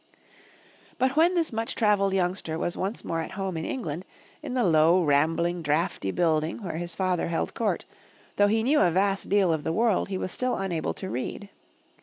But when this much travelled youngster was once more at home in England, in the low, rambling, draughty building where his father held court, though he knew a vast deal of the world, he was still unable to read.